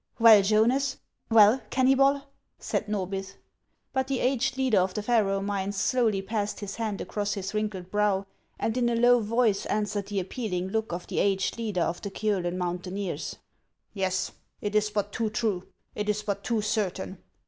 " Well, Jonas ! Well, Kenuybol !" said Xorbith. But the aged leader of the Faroe miners slowly passed his hand across his wrinkled brow, and in a low voice answered the appealing look of the aged leader of the Kiolen mountaineers :" Yes, it is but too true ; it is but too certain.